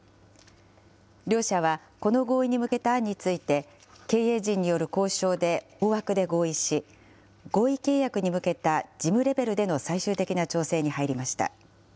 両社はこの合意に向けた案について、経営陣による交渉で大枠で合意し、合意契約に向けた、事務レベルでの最終的な調整に入りました。